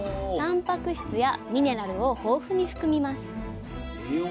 タンパク質やミネラルを豊富に含みます